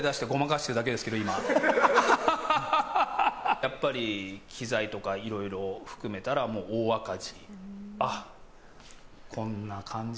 やっぱり機材とかいろいろ含めたら大赤字。